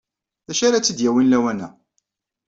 D acu ara tt-id-yawin lawan-a?